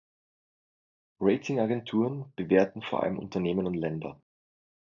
Rating-Agenturen bewerten vor allem Unternehmen und Länder.